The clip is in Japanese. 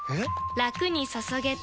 ラクに注げてペコ！